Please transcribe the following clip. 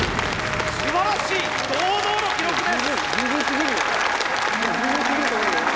すばらしい堂々の記録です！